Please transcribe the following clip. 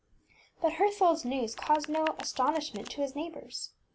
ŌĆÖ But HertholdŌĆÖs news caused no astonishment to his neighbours.